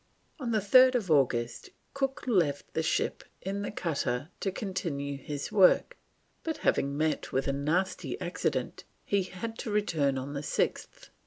On 3rd August Cook left the ship in the cutter to continue his work, but having met with a nasty accident he had to return on the 6th.